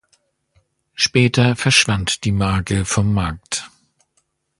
Später verschwand die Marke vom Markt.